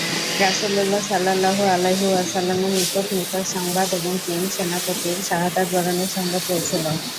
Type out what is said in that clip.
রাসূলুল্লাহ সাল্লাল্লাহু আলাইহি ওয়াসাল্লামের নিকট মূতার সংবাদ এবং তিন সেনাপতির শাহাদাত বরণের সংবাদ পৌঁছল।